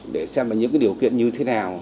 để xem là những cái điều kiện như thế nào